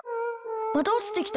またおちてきた。